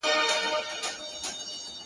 چي پیدا دی له قسمته څخه ژاړي،